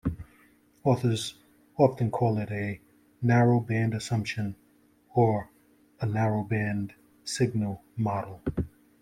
Authors often call it a "narrowband assumption", or a narrowband signal model.